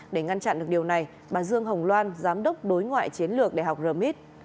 để ngăn chặn được điều này bà dương hồng loan giám đốc đối ngoại chiến lược đại học rít